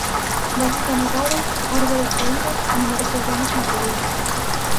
Baixos anegados, árbores caídas e numerosos danos materiais.